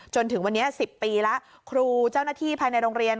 จนถึงวันนี้๑๐ปีแล้วครูเจ้าหน้าที่ภายในโรงเรียน